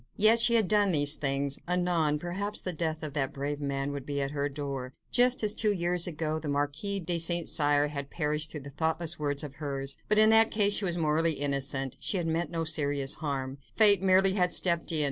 Yet she had done these things; anon, perhaps the death of that brave man would be at her door, just as two years ago the Marquis de St. Cyr had perished through a thoughtless word of hers; but in that case she was morally innocent—she had meant no serious harm—fate merely had stepped in.